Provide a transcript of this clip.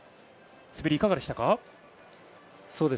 滑り、いかがでしたか。